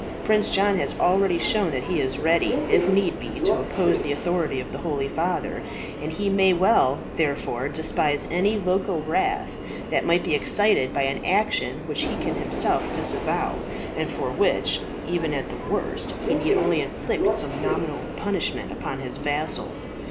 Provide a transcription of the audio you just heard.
Prince John has already shown that he is ready, if need be, to oppose the authority of the holy father, and he may well, therefore, despise any local wrath that might be excited by an action which he can himself disavow, and for which, even at the worst, he need only inflict some nominal punishment upon his vassal.